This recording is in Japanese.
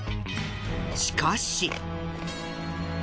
しかし。